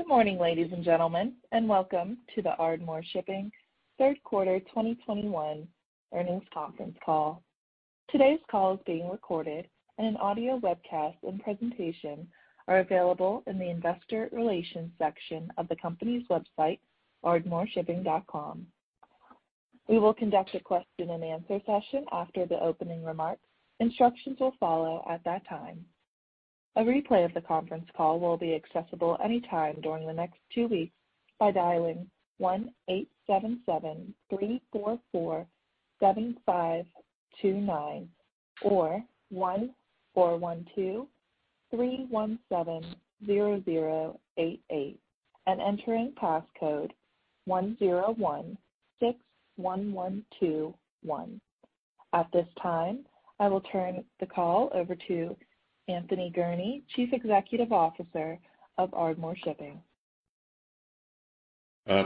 Good morning, ladies and gentlemen, and welcome to the Ardmore Shipping third quarter 2021 earnings conference call. Today's call is being recorded and an audio webcast and presentation are available in the investor relations section of the company's website, ardmoreshipping.com. We will conduct a question and answer session after the opening remarks. Instructions will follow at that time. A replay of the conference call will be accessible any time during the next two weeks by dialing 1-877-344-7529 or 1-412-317-0088 and entering passcode 1016121. At this time, I will turn the call over to Anthony Gurnee, Chief Executive Officer of Ardmore Shipping.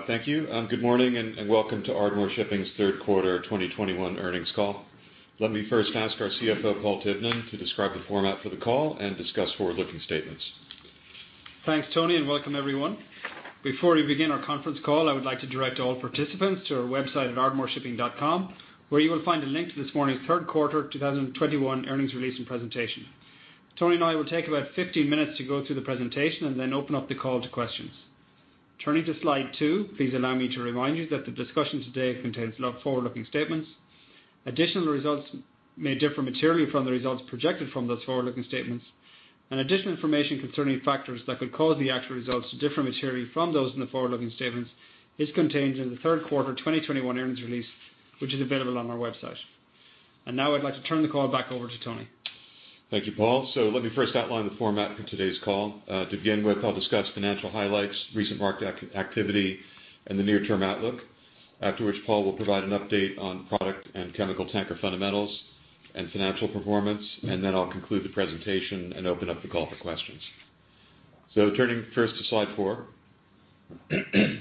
Thank you. Good morning and welcome to Ardmore Shipping's third quarter 2021 earnings call. Let me first ask our CFO, Paul Tivnan, to describe the format for the call and discuss forward-looking statements. Thanks, Tony, and welcome everyone. Before we begin our conference call, I would like to direct all participants to our website at ardmoreshipping.com, where you will find a link to this morning's third quarter 2021 earnings release and presentation. Tony and I will take about 15 minutes to go through the presentation and then open up the call to questions. Turning to slide 2, please allow me to remind you that the discussion today contains forward-looking statements. Additional results may differ materially from the results projected from those forward-looking statements, and additional information concerning factors that could cause the actual results to differ materially from those in the forward-looking statements is contained in the third quarter 2021 earnings release, which is available on our website. Now I'd like to turn the call back over to Tony. Thank you, Paul. Let me first outline the format for today's call. To begin with, I'll discuss financial highlights, recent market activity, and the near-term outlook. After which, Paul will provide an update on product and chemical tanker fundamentals and financial performance, and then I'll conclude the presentation and open up the call for questions. Turning first to slide 4. We're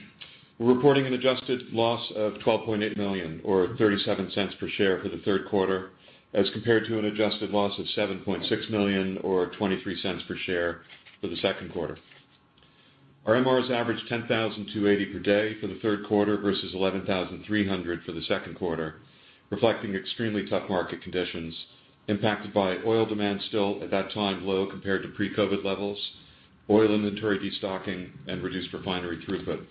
reporting an adjusted loss of $12.8 million or $0.37 per share for the third quarter, as compared to an adjusted loss of $7.6 million or $0.23 per share for the second quarter. Our MRs averaged 10,280 per day for the third quarter versus 11,300 for the second quarter, reflecting extremely tough market conditions impacted by oil demand still, at that time, low compared to pre-COVID levels, oil inventory destocking, and reduced refinery throughput.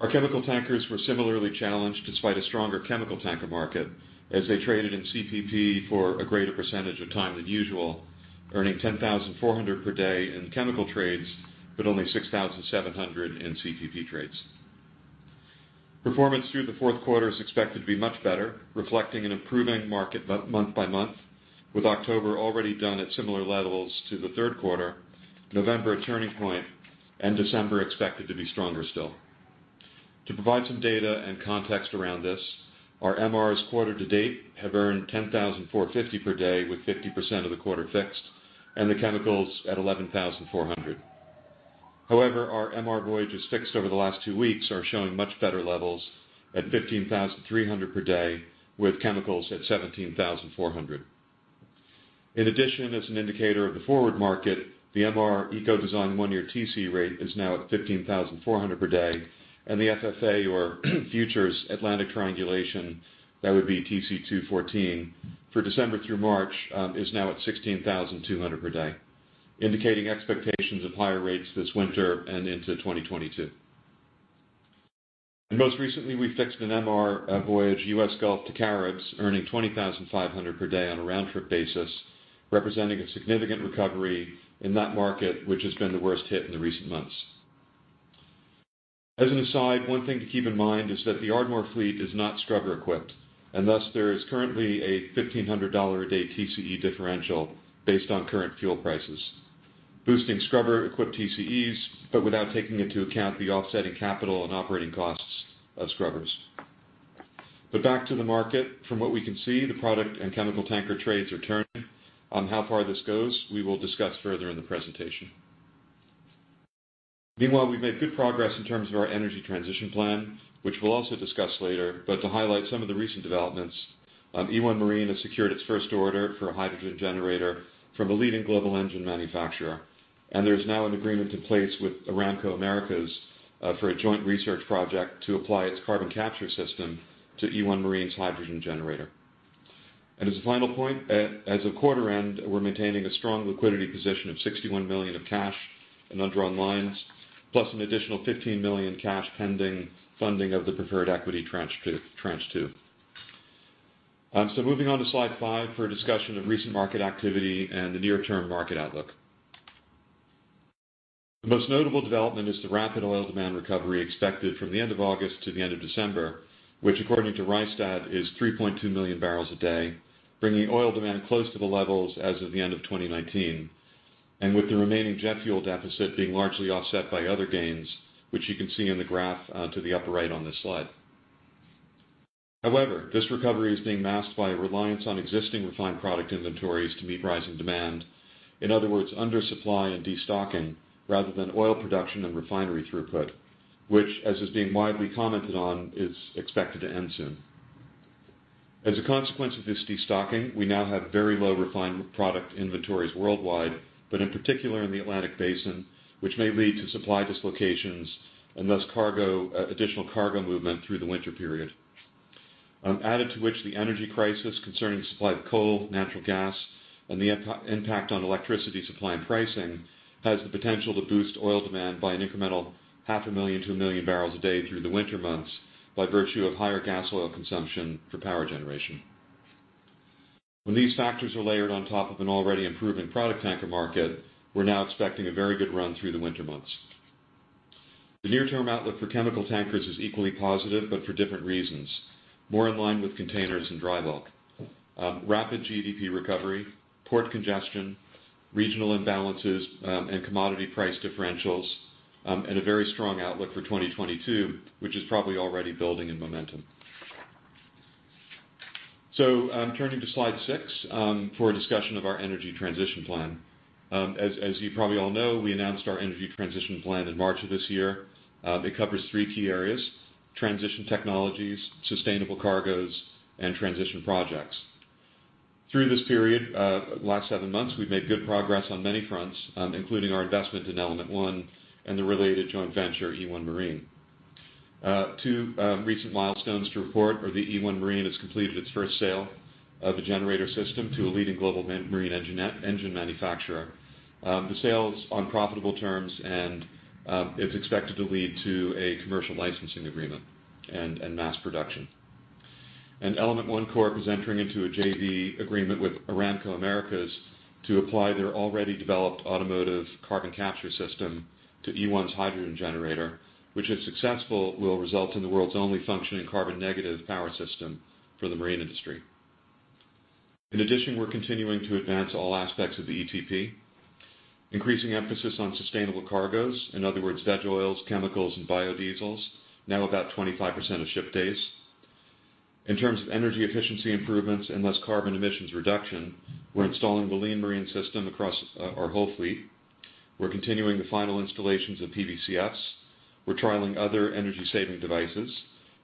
Our chemical tankers were similarly challenged despite a stronger chemical tanker market as they traded in CPP for a greater percentage of time than usual, earning $10,400 per day in chemical trades, but only $6,700 in CPP trades. Performance through the fourth quarter is expected to be much better, reflecting an improving market month by month, with October already done at similar levels to the third quarter, November a turning point, and December expected to be stronger still. To provide some data and context around this, our MRs quarter to date have earned $10,450 per day, with 50% of the quarter fixed, and the chemicals at $11,400. However, our MR voyages fixed over the last two weeks are showing much better levels at $15,300 per day, with chemicals at $17,400. In addition, as an indicator of the forward market, the MR Eco-Design one-year TC rate is now at $15,400 per day, and the FFA or futures Atlantic triangulation, that would be TC2/TC14, for December through March, is now at $16,200 per day, indicating expectations of higher rates this winter and into 2022. Most recently, we fixed an MR voyage, U.S. Gulf to Caribs, earning $20,500 per day on a round-trip basis, representing a significant recovery in that market, which has been the worst hit in the recent months. As an aside, one thing to keep in mind is that the Ardmore fleet is not scrubber-equipped, and thus there is currently a $1,500 a day TCE differential based on current fuel prices, boosting scrubber-equipped TCEs, but without taking into account the offsetting capital and operating costs of scrubbers. Back to the market. From what we can see, the product and chemical tanker trades are turning. On how far this goes, we will discuss further in the presentation. Meanwhile, we've made good progress in terms of our energy transition plan, which we'll also discuss later. To highlight some of the recent developments, e1 Marine has secured its first order for a hydrogen generator from a leading global engine manufacturer, and there is now an agreement in place with Aramco Americas for a joint research project to apply its carbon capture system to e1 Marine's hydrogen generator. As a final point, as of quarter end, we're maintaining a strong liquidity position of $61 million of cash and undrawn lines, plus an additional $15 million cash pending funding of the preferred equity tranche two. Moving on to slide 5 for a discussion of recent market activity and the near-term market outlook. The most notable development is the rapid oil demand recovery expected from the end of August to the end of December, which according to Rystad is 3.2 million barrels a day, bringing oil demand close to the levels as of the end of 2019. With the remaining jet fuel deficit being largely offset by other gains, which you can see in the graph to the upper right on this slide. However, this recovery is being masked by a reliance on existing refined product inventories to meet rising demand. In other words, under supply and destocking rather than oil production and refinery throughput, which as is being widely commented on, is expected to end soon. As a consequence of this destocking, we now have very low refined product inventories worldwide, but in particular in the Atlantic Basin, which may lead to supply dislocations and thus cargo, additional cargo movement through the winter period. Added to which the energy crisis concerning the supply of coal, natural gas, and the impact on electricity supply and pricing has the potential to boost oil demand by an incremental 500,000-1,000,000 barrels a day through the winter months by virtue of higher gas oil consumption for power generation. When these factors are layered on top of an already improving product tanker market, we're now expecting a very good run through the winter months. The near-term outlook for chemical tankers is equally positive, but for different reasons, more in line with containers and dry bulk. Rapid GDP recovery, port congestion, regional imbalances, and commodity price differentials, and a very strong outlook for 2022, which is probably already building in momentum. I'm turning to slide 6 for a discussion of our energy transition plan. As you probably all know, we announced our energy transition plan in March of this year. It covers three key areas, transition technologies, sustainable cargoes, and transition projects. Through this period of the last 7 months, we've made good progress on many fronts, including our investment in Element 1 and the related joint venture, e1 Marine. Two recent milestones to report are that e1 Marine has completed its first sale of a generator system to a leading global marine engine manufacturer. The sale is on profitable terms, and it's expected to lead to a commercial licensing agreement and mass production. Element 1 Corp. is entering into a JV agreement with Aramco Americas to apply their already developed automotive carbon capture system to e1's hydrogen generator, which, if successful, will result in the world's only functioning carbon negative power system for the marine industry. In addition, we're continuing to advance all aspects of the ETP, increasing emphasis on sustainable cargoes, in other words, veg oils, chemicals, and biodiesels, now about 25% of ship days. In terms of energy efficiency improvements and carbon emissions reduction, we're installing the Lean Marine system across our whole fleet. We're continuing the final installations of PBCFs. We're trialing other energy-saving devices,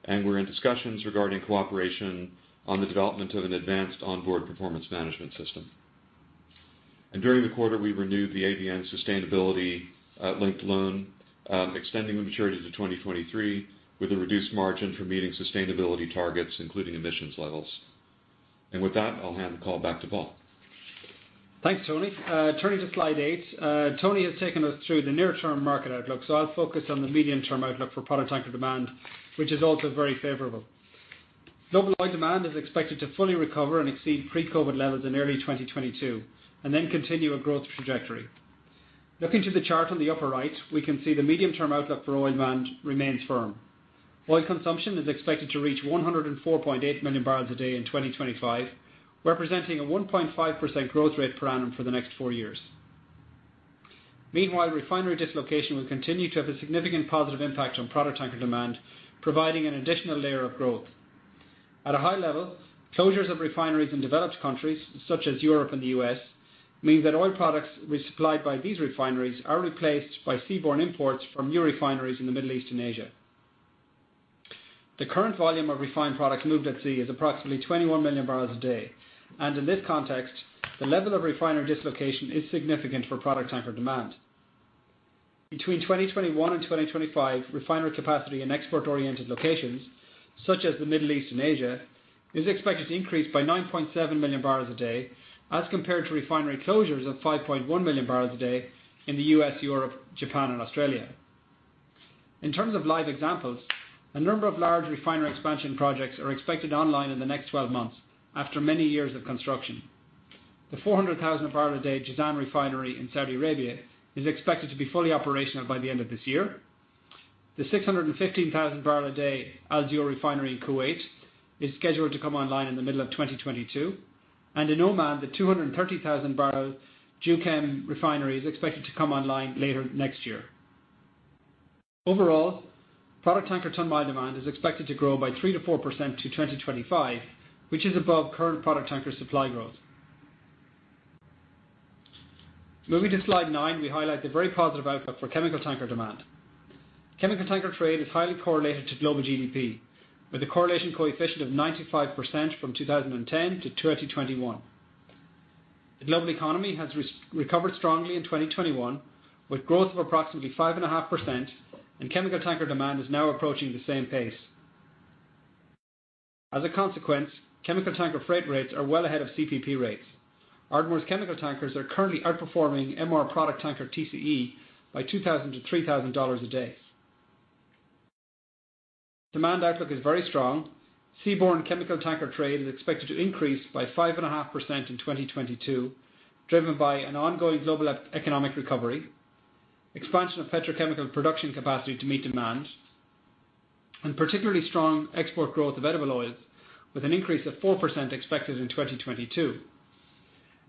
and we're in discussions regarding cooperation on the development of an advanced onboard performance management system. During the quarter, we renewed the ABN sustainability linked loan, extending the maturity to 2023 with a reduced margin for meeting sustainability targets, including emissions levels. With that, I'll hand the call back to Paul. Thanks, Tony. Turning to slide eight. Tony has taken us through the near-term market outlook, so I'll focus on the medium-term outlook for product tanker demand, which is also very favorable. Global oil demand is expected to fully recover and exceed pre-COVID levels in early 2022, and then continue a growth trajectory. Looking to the chart on the upper right, we can see the medium-term outlook for oil demand remains firm. Oil consumption is expected to reach 104.8 million barrels a day in 2025, representing a 1.5% growth rate per annum for the next four years. Meanwhile, refinery dislocation will continue to have a significant positive impact on product tanker demand, providing an additional layer of growth. At a high level, closures of refineries in developed countries such as Europe and the U.S. mean that oil products resupplied by these refineries are replaced by seaborne imports from new refineries in the Middle East and Asia. The current volume of refined products moved at sea is approximately 21 million barrels a day. In this context, the level of refinery dislocation is significant for product tanker demand. Between 2021 and 2025, refinery capacity in export-oriented locations such as the Middle East and Asia is expected to increase by 9.7 million barrels a day as compared to refinery closures of 5.1 million barrels a day in the U.S., Europe, Japan, and Australia. In terms of live examples, a number of large refinery expansion projects are expected online in the next 12 months after many years of construction. The 400,000 barrel a day Jizan Refinery in Saudi Arabia is expected to be fully operational by the end of this year. The 615,000 barrel a day Al Zour Refinery in Kuwait is scheduled to come online in the middle of 2022, and in Oman, the 230,000 barrel Duqm Refinery is expected to come online later next year. Overall, product tanker ton-mile demand is expected to grow by 3%-4% to 2025, which is above current product tanker supply growth. Moving to slide 9, we highlight the very positive outlook for chemical tanker demand. Chemical tanker trade is highly correlated to global GDP, with a correlation coefficient of 95% from 2010 to 2021. The global economy has recovered strongly in 2021, with growth of approximately 5.5%, and chemical tanker demand is now approaching the same pace. As a consequence, chemical tanker freight rates are well ahead of CPP rates. Ardmore's chemical tankers are currently outperforming MR Product Tanker TCE by $2,000-$3,000 a day. Demand outlook is very strong. Seaborne chemical tanker trade is expected to increase by 5.5% in 2022, driven by an ongoing global economic recovery, expansion of petrochemical production capacity to meet demand, and particularly strong export growth of edible oils with an increase of 4% expected in 2022.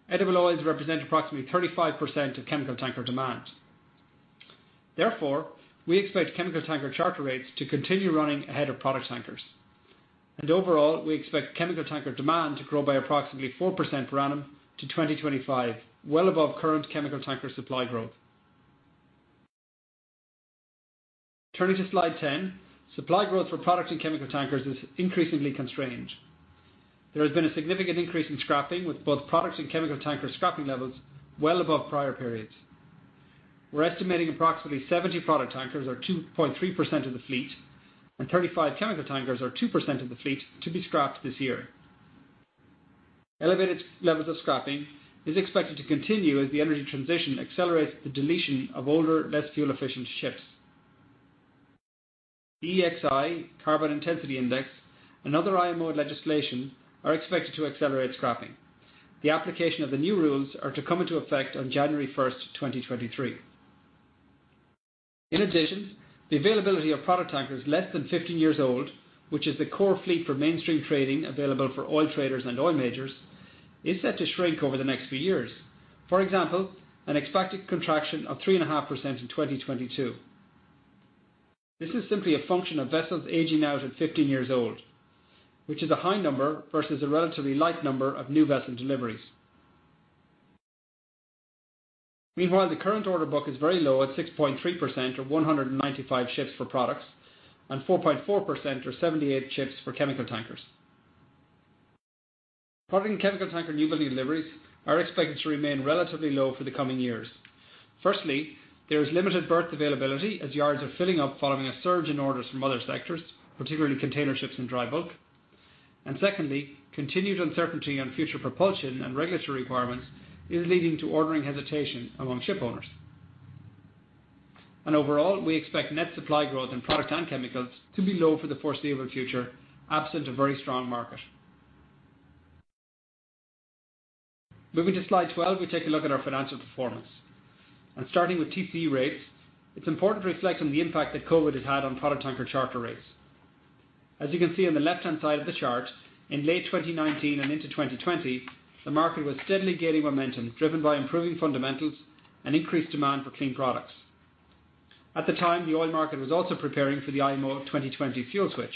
Edible oils represent approximately 35% of chemical tanker demand. Therefore, we expect chemical tanker charter rates to continue running ahead of product tankers. Overall, we expect chemical tanker demand to grow by approximately 4% per annum to 2025, well above current chemical tanker supply growth. Turning to slide 10. Supply growth for products and chemical tankers is increasingly constrained. There has been a significant increase in scrapping with both products and chemical tanker scrapping levels well above prior periods. We're estimating approximately 70 product tankers or 2.3% of the fleet and 35 chemical tankers or 2% of the fleet to be scrapped this year. Elevated levels of scrapping is expected to continue as the energy transition accelerates the deletion of older, less fuel efficient ships. EEXI, Carbon Intensity Indicator and other IMO legislation are expected to accelerate scrapping. The application of the new rules are to come into effect on January 1, 2023. In addition, the availability of product tankers less than 15 years old, which is the core fleet for mainstream trading available for oil traders and oil majors, is set to shrink over the next few years. For example, an expected contraction of 3.5% in 2022. This is simply a function of vessels aging out at 15 years old, which is a high number versus a relatively light number of new vessel deliveries. Meanwhile, the current order book is very low at 6.3% or 195 ships for products and 4.4% or 78 ships for chemical tankers. Product and chemical tanker newbuilding deliveries are expected to remain relatively low for the coming years. Firstly, there is limited berth availability as yards are filling up following a surge in orders from other sectors, particularly container ships and dry bulk. Secondly, continued uncertainty on future propulsion and regulatory requirements is leading to ordering hesitation among ship owners. Overall, we expect net supply growth in product and chemicals to be low for the foreseeable future, absent a very strong market. Moving to slide 12. We take a look at our financial performance. Starting with TC rates, it's important to reflect on the impact that COVID has had on product tanker charter rates. As you can see on the left-hand side of the chart, in late 2019 and into 2020, the market was steadily gaining momentum, driven by improving fundamentals and increased demand for clean products. At the time, the oil market was also preparing for the IMO 2020 fuel switch.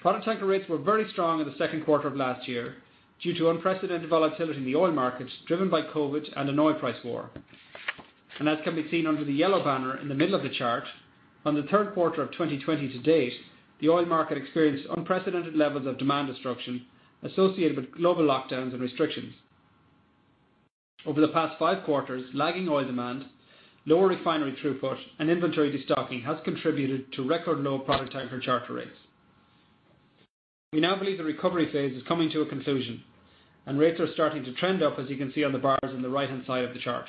Product tanker rates were very strong in the second quarter of last year due to unprecedented volatility in the oil markets, driven by COVID and an oil price war. As can be seen under the yellow banner in the middle of the chart, from the third quarter of 2020 to date, the oil market experienced unprecedented levels of demand destruction associated with global lockdowns and restrictions. Over the past 5 quarters, lagging oil demand, lower refinery throughput and inventory destocking has contributed to record low product tanker charter rates. We now believe the recovery phase is coming to a conclusion and rates are starting to trend up, as you can see on the bars on the right-hand side of the chart.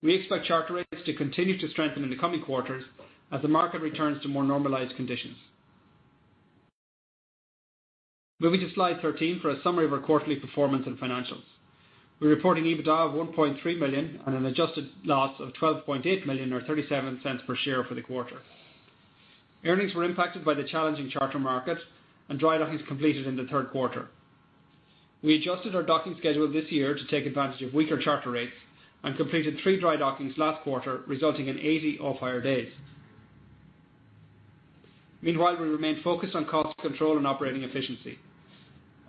We expect charter rates to continue to strengthen in the coming quarters as the market returns to more normalized conditions. Moving to slide 13 for a summary of our quarterly performance and financials. We're reporting EBITDA of $1.3 million and an adjusted loss of $12.8 million or $0.37 per share for the quarter. Earnings were impacted by the challenging charter market and drydockings completed in the third quarter. We adjusted our docking schedule this year to take advantage of weaker charter rates and completed 3 drydockings last quarter, resulting in 80 off-hire days. Meanwhile, we remain focused on cost control and operating efficiency.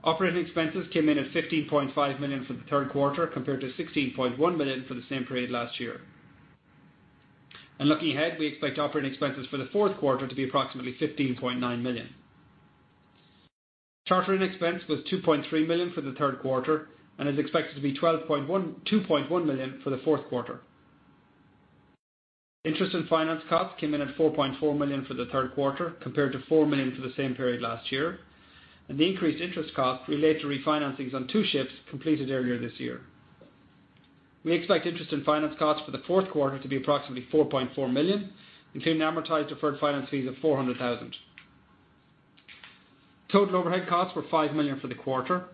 Operating expenses came in at $15.5 million for the third quarter, compared to $16.1 million for the same period last year. Looking ahead, we expect operating expenses for the fourth quarter to be approximately $15.9 million. Charter-in expense was $2.3 million for the third quarter and is expected to be $2.1 million for the fourth quarter. Interest and finance costs came in at $4.4 million for the third quarter, compared to $4 million for the same period last year. The increased interest costs relate to refinancings on two ships completed earlier this year. We expect interest and finance costs for the fourth quarter to be approximately $4.4 million, including amortized deferred finance fees of $400,000. Total overhead costs were $5 million for the quarter.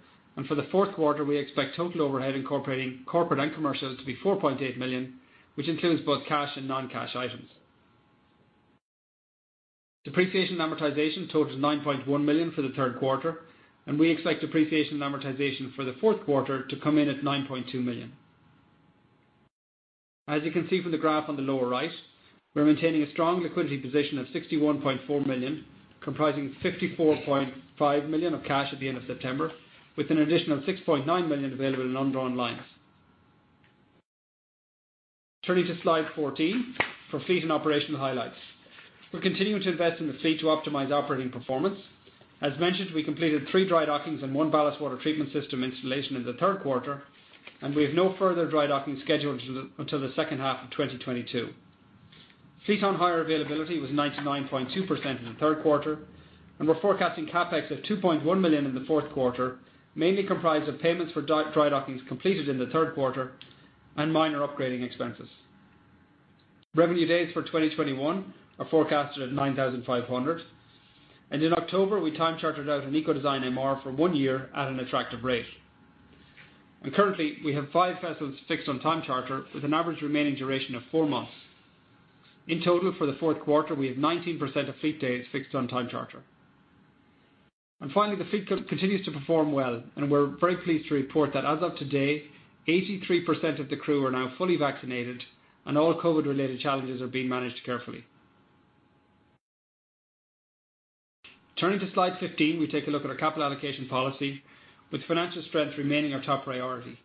For the fourth quarter we expect total overhead incorporating corporate and commercial to be $4.8 million, which includes both cash and non-cash items. Depreciation and amortization totaled $9.1 million for the third quarter, and we expect depreciation and amortization for the fourth quarter to come in at $9.2 million. As you can see from the graph on the lower right, we're maintaining a strong liquidity position of $61.4 million, comprising $54.5 million of cash at the end of September, with an additional $6.9 million available in undrawn lines. Turning to slide 14 for fleet and operational highlights. We're continuing to invest in the fleet to optimize operating performance. As mentioned, we completed 3 drydockings and 1 ballast water treatment system installation in the third quarter, and we have no further drydocking scheduled until the second half of 2022. Fleet on hire availability was 99.2% in the third quarter, and we're forecasting CapEx of $2.1 million in the fourth quarter, mainly comprised of payments for drydockings completed in the third quarter and minor upgrading expenses. Revenue days for 2021 are forecasted at 9,500. In October, we time chartered out an Eco-design MR for one year at an attractive rate. Currently we have five vessels fixed on time charter with an average remaining duration of four months. In total, for the fourth quarter, we have 19% of fleet days fixed on time charter. Finally, the fleet continues to perform well, and we're very pleased to report that as of today, 83% of the crew are now fully vaccinated and all COVID related challenges are being managed carefully. Turning to slide 15, we take a look at our capital allocation policy with financial strength remaining our top priority.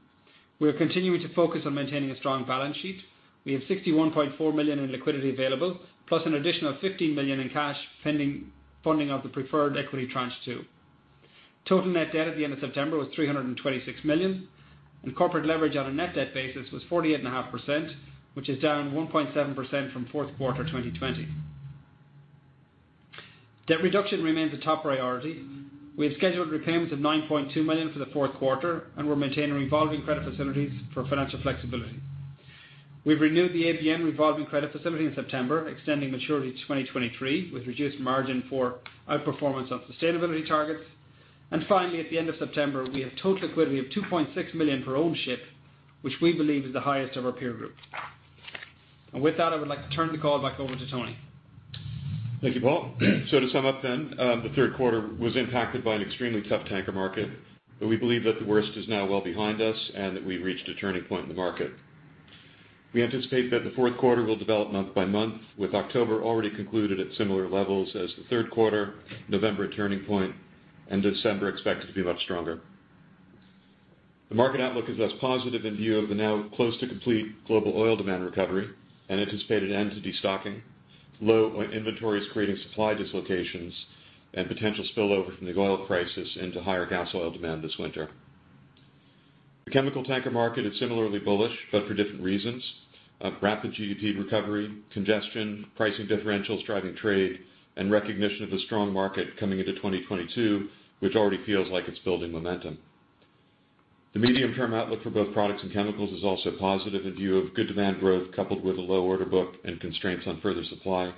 We are continuing to focus on maintaining a strong balance sheet. We have $61.4 million in liquidity available, plus an additional $15 million in cash pending funding of the preferred equity tranche two. Total net debt at the end of September was $326 million, and corporate leverage on a net debt basis was 48.5%, which is down 1.7% from fourth quarter 2020. Debt reduction remains a top priority. We have scheduled repayments of $9.2 million for the fourth quarter, and we're maintaining revolving credit facilities for financial flexibility. We've renewed the ABN AMRO revolving credit facility in September, extending maturity to 2023, with reduced margin for outperformance of sustainability targets. Finally, at the end of September, we have total liquidity of $2.6 million per own ship, which we believe is the highest of our peer group. With that, I would like to turn the call back over to Tony. Thank you, Paul. To sum up then, the third quarter was impacted by an extremely tough tanker market, but we believe that the worst is now well behind us and that we've reached a turning point in the market. We anticipate that the fourth quarter will develop month by month, with October already concluded at similar levels as the third quarter, November a turning point, and December expected to be much stronger. The market outlook is more positive in view of the now close to complete global oil demand recovery and anticipated end to destocking, low inventories creating supply dislocations, and potential spillover from the oil crisis into higher gas oil demand this winter. The chemical tanker market is similarly bullish, but for different reasons. Rapid GDP recovery, congestion, pricing differentials driving trade, and recognition of the strong market coming into 2022, which already feels like it's building momentum. The medium-term outlook for both products and chemicals is also positive in view of good demand growth, coupled with a low order book and constraints on further supply.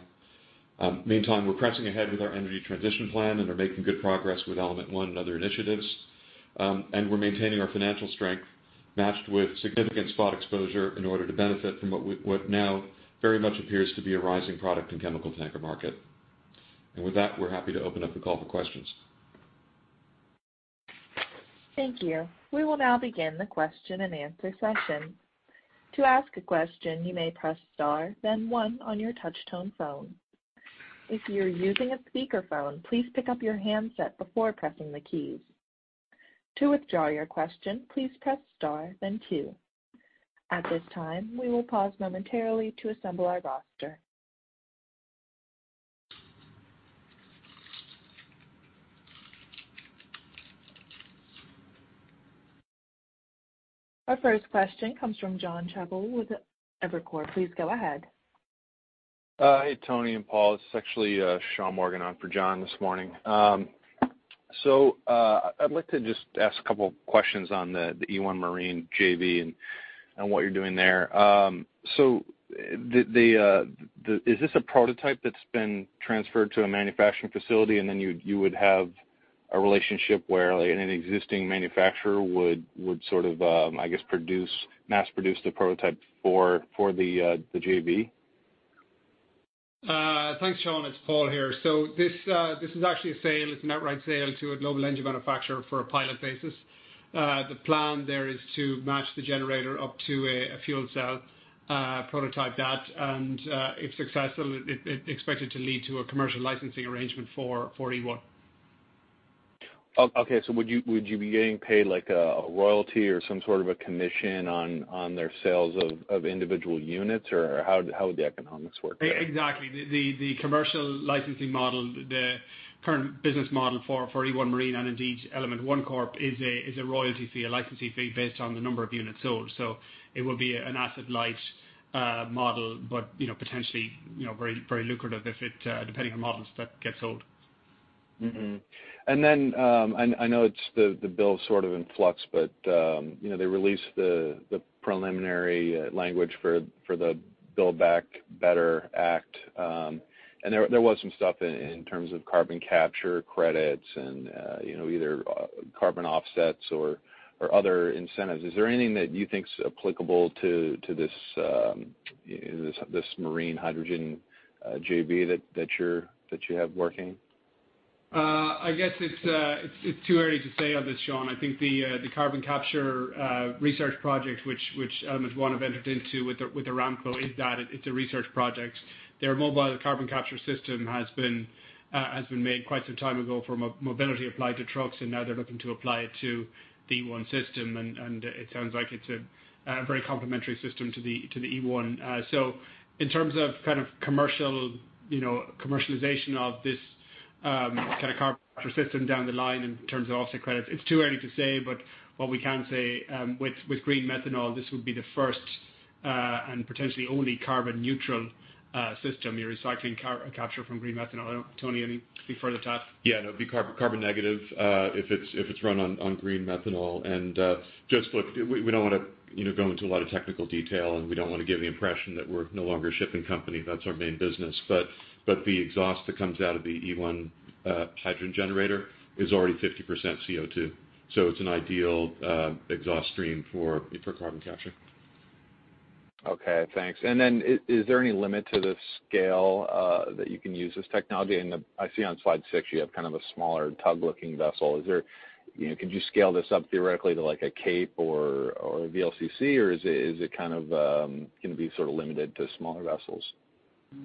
Meantime, we're pressing ahead with our energy transition plan and are making good progress with Element 1 and other initiatives. We're maintaining our financial strength, matched with significant spot exposure in order to benefit from what now very much appears to be a rising product and chemical tanker market. With that, we're happy to open up the call for questions. Thank you. We will now begin the question and answer session. To ask a question, you may press star then one on your touch tone phone. If you're using a speaker phone, please pick up your handset before pressing the keys. To withdraw your question, please press star then two. At this time, we will pause momentarily to assemble our roster. Our first question comes from Jonathan Chappell with Evercore. Please go ahead. Hey, Tony and Paul. This is actually Sean Morgan on for John this morning. I'd like to just ask a couple questions on the e1 Marine JV and what you're doing there. Is this a prototype that's been transferred to a manufacturing facility, and then you would have a relationship where an existing manufacturer would sort of I guess produce mass produce the prototype for the JV? Thanks, Sean. It's Paul here. This is actually a sale. It's an outright sale to a global engine manufacturer for a pilot basis. The plan there is to match the generator up to a fuel cell prototype, and if successful, it's expected to lead to a commercial licensing arrangement for e1. Okay. Would you be getting paid like a royalty or some sort of a commission on their sales of individual units, or how would the economics work there? Exactly. The commercial licensing model, the current business model for e1 Marine and indeed Element 1 Corp. is a royalty fee, a licensing fee based on the number of units sold. It would be an asset light model, but you know, potentially, you know, very lucrative if it, depending on models that get sold. Mm-hmm. I know it's the bill's sort of in flux, but you know, they released the preliminary language for the Build Back Better Act. There was some stuff in terms of carbon capture credits and you know, either carbon offsets or other incentives. Is there anything that you think is applicable to this marine hydrogen JV that you have working? I guess it's too early to say on this, Sean. I think the carbon capture research project, which Element 1 have entered into with Aramco is that. It's a research project. Their mobile carbon capture system has been made quite some time ago for mobility applied to trucks, and now they're looking to apply it to the e1 system. It sounds like it's a very complementary system to the e1. In terms of kind of commercial, you know, commercialization of this kind carbon capture system down the line in terms of offset credits, it's too early to say. What we can say with green methanol, this would be the first and potentially only carbon neutral system. You're recycling capture from green methanol. I don't know, Tony, any further thoughts? Yeah, no, it'd be carbon negative if it's run on green methanol. Just look, we don't wanna, you know, go into a lot of technical detail, and we don't wanna give the impression that we're no longer a shipping company. That's our main business. The exhaust that comes out of the e1 hydrogen generator is already 50% CO2. It's an ideal exhaust stream for carbon capture. Okay. Thanks. Is there any limit to the scale that you can use this technology? I see on slide 6 you have kind of a smaller tug-looking vessel. Is there, you know, could you scale this up theoretically to like a Capesize or VLCC, or is it kind of gonna be sort of limited to smaller vessels?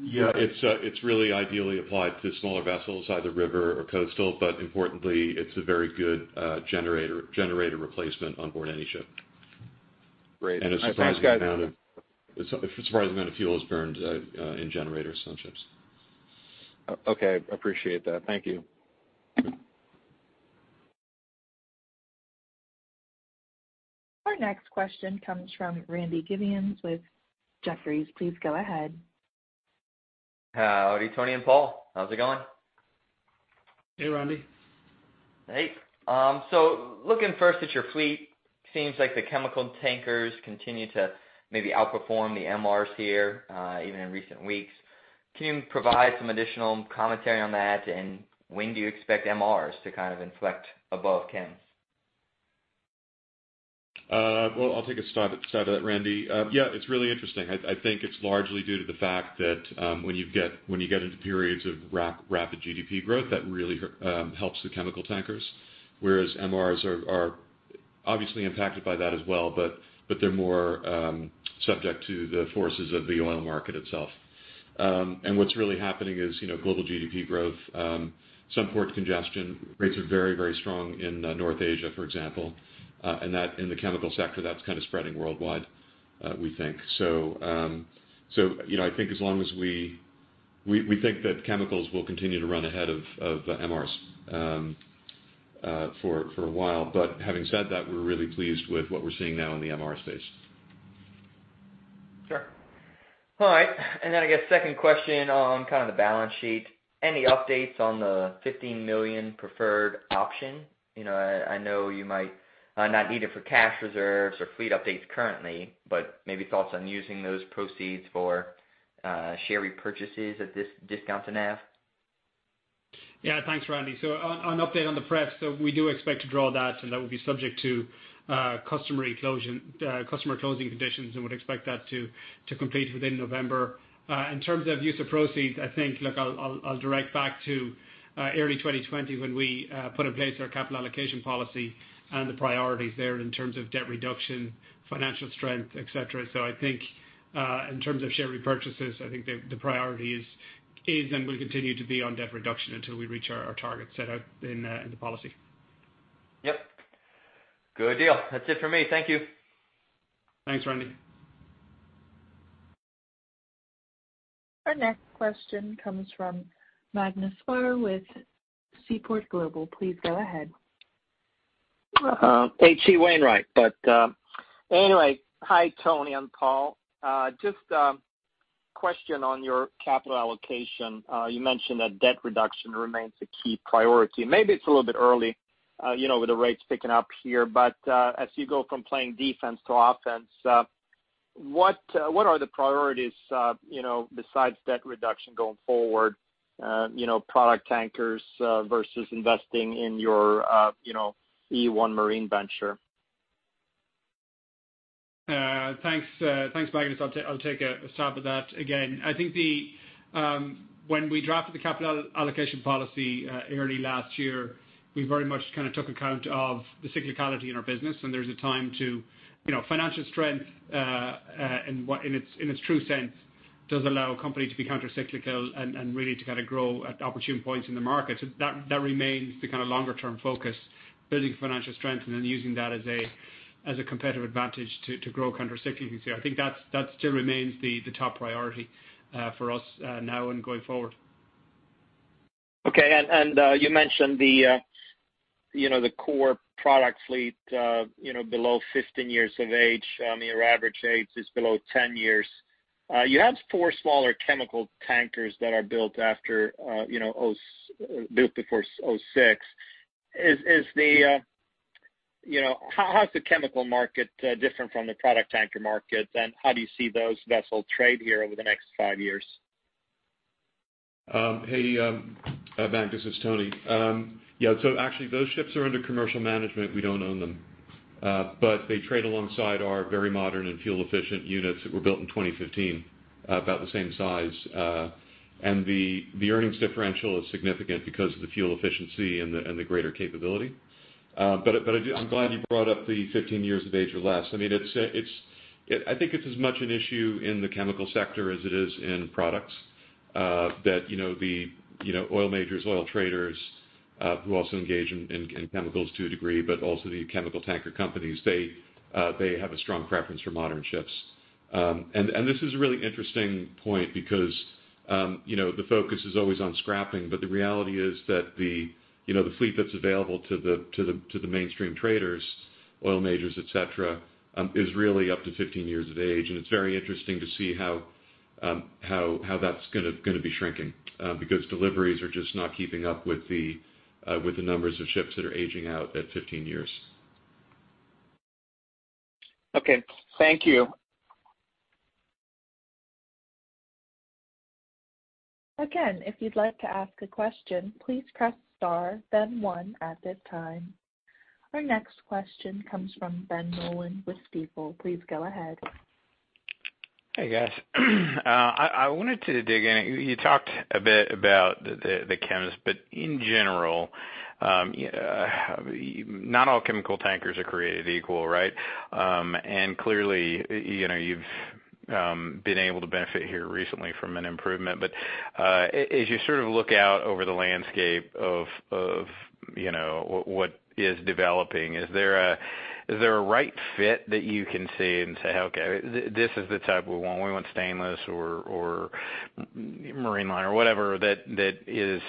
Yeah, it's really ideally applied to smaller vessels, either river or coastal, but importantly, it's a very good generator replacement on board any ship. Great. All right. Thanks, guys. A surprising amount of fuel is burned in generators on ships. Okay. Appreciate that. Thank you. Our next question comes from Randy Giveans with Jefferies. Please go ahead. Howdy, Tony and Paul. How's it going? Hey, Randy. Hey. So looking first at your fleet, seems like the chemical tankers continue to maybe outperform the MRs here, even in recent weeks. Can you provide some additional commentary on that? When do you expect MRs to kind of inflect above chems? Well, I'll take a stab at that, Randy. Yeah, it's really interesting. I think it's largely due to the fact that when you get into periods of rapid GDP growth, that really helps the chemical tankers, whereas MRs are obviously impacted by that as well, but they're more subject to the forces of the oil market itself. What's really happening is, you know, global GDP growth, some port congestion. Rates are very strong in North Asia, for example, and that in the chemical sector, that's kind of spreading worldwide, we think. You know, I think as long as we think that chemicals will continue to run ahead of MRs for a while. Having said that, we're really pleased with what we're seeing now in the MR space. Sure. All right. I guess second question on kind of the balance sheet. Any updates on the $15 million preferred option? You know, I know you might not need it for cash reserves or fleet updates currently, but maybe thoughts on using those proceeds for share repurchases at this discount to NAV. Yeah. Thanks, Randy. On update on the prep, we do expect to draw that, and that will be subject to customary closing conditions, and would expect that to complete within November. In terms of use of proceeds, I think, look, I'll direct back to early 2020 when we put in place our capital allocation policy and the priorities there in terms of debt reduction, financial strength, et cetera. I think in terms of share repurchases, I think the priority is and will continue to be on debt reduction until we reach our targets set out in the policy. Yep. Good deal. That's it for me. Thank you. Thanks, Randy. Our next question comes from Magnus Fyhr with Seaport Global. Please go ahead. H.C. Wainwright. Anyway, hi, Tony and Paul. Just question on your capital allocation. You mentioned that debt reduction remains a key priority. Maybe it's a little bit early, you know, with the rates picking up here, but as you go from playing defense to offense, what are the priorities, you know, besides debt reduction going forward? You know, product tankers versus investing in your, you know, e1 Marine venture. Thanks, Magnus. I'll take a stab at that again. I think when we drafted the capital allocation policy early last year, we very much kind of took account of the cyclicality in our business and there's a time to, you know, financial strength in what in its true sense does allow a company to be countercyclical and really to kind of grow at opportune points in the market. That remains the kind of longer-term focus, building financial strength and then using that as a competitive advantage to grow countercyclically. I think that still remains the top priority for us now and going forward. Okay. You mentioned the, you know, the core product fleet, you know, below 15 years of age. Your average age is below 10 years. You have 4 smaller chemical tankers that are built before 2006. How's the chemical market, you know, different from the product tanker market? How do you see those vessels trade here over the next 5 years? Hey, Magnus, it's Tony. Yeah, actually those ships are under commercial management. We don't own them. They trade alongside our very modern and fuel-efficient units that were built in 2015, about the same size. The earnings differential is significant because of the fuel efficiency and the greater capability. I'm glad you brought up the 15 years of age or less. I mean, it's, I think it's as much an issue in the chemical sector as it is in products, that you know, the oil majors, oil traders, who also engage in chemicals to a degree, but also the chemical tanker companies, they have a strong preference for modern ships. This is a really interesting point because, you know, the focus is always on scrapping, but the reality is that the, you know, the fleet that's available to the mainstream traders, oil majors, et cetera, is really up to 15 years of age. It's very interesting to see how that's gonna be shrinking, because deliveries are just not keeping up with the numbers of ships that are aging out at 15 years. Okay. Thank you. Our next question comes from Ben Nolan with Stifel. Please go ahead. Hey, guys. I wanted to dig in. You talked a bit about the chems, but in general, not all chemical tankers are created equal, right? Clearly, you know, you've been able to benefit here recently from an improvement. As you sort of look out over the landscape of you know, what is developing, is there a right fit that you can see and say, "Okay, this is the type we want. We want stainless or marine line," or whatever that is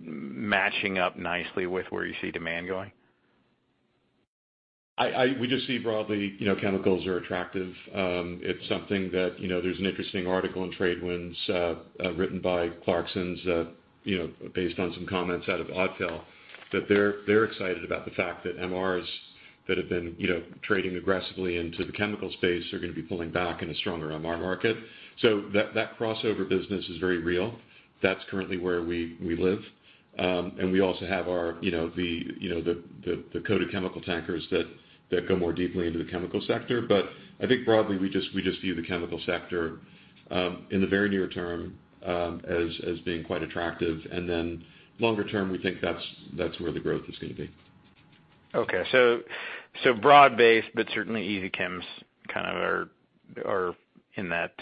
matching up nicely with where you see demand going? We just see broadly, you know, chemicals are attractive. It's something that, you know, there's an interesting article in TradeWinds, written by Clarksons, you know, based on some comments out of Odfjell, that they're excited about the fact that MRs that have been, you know, trading aggressively into the chemical space are gonna be pulling back in a stronger MR market. That crossover business is very real. That's currently where we live. We also have our coated chemical tankers that go more deeply into the chemical sector. I think broadly, we view the chemical sector in the very near term as being quite attractive. Then longer term, we think that's where the growth is gonna be. Okay. Broad-based, but certainly easy chems kind of are in that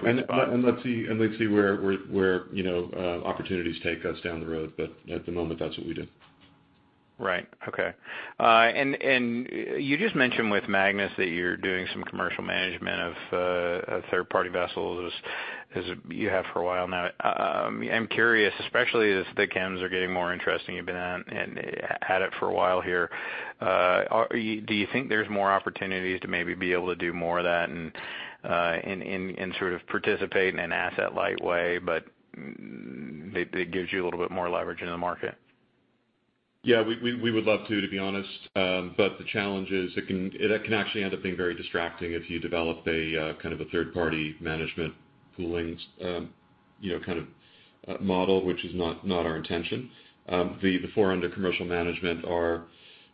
sweet spot. Yeah. Let's see where, you know, opportunities take us down the road. At the moment, that's what we do. Right. Okay. You just mentioned with Magnus that you're doing some commercial management of third-party vessels, as you have for a while now. I'm curious, especially as the chems are getting more interesting. You've been at it for a while here. Do you think there's more opportunities to maybe be able to do more of that and sort of participate in an asset light way, but maybe it gives you a little bit more leverage in the market? Yeah. We would love to be honest. The challenge is it can actually end up being very distracting if you develop a kind of a third-party management pooling, you know, kind of, model, which is not our intention. The four under commercial management are,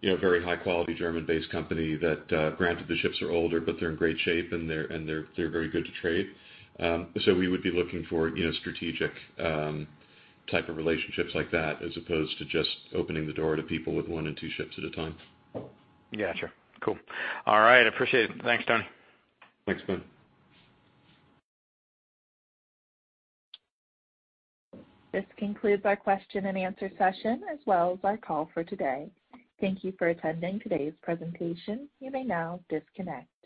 you know, very high quality German-based company that granted the ships are older, but they're in great shape and they're very good to trade. We would be looking for, you know, strategic type of relationships like that, as opposed to just opening the door to people with one and two ships at a time. Gotcha. Cool. All right. I appreciate it. Thanks, Tony. Thanks, Ben. This concludes our question and answer session, as well as our call for today. Thank you for attending today's presentation. You may now disconnect.